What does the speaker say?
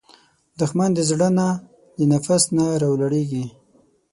دښمن د زړه نه، د نفس نه راولاړیږي